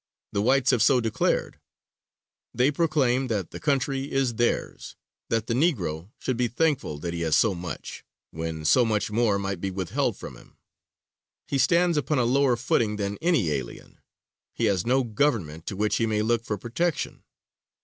The whites have so declared; they proclaim that the country is theirs, that the Negro should be thankful that he has so much, when so much more might be withheld from him. He stands upon a lower footing than any alien; he has no government to which he may look for protection.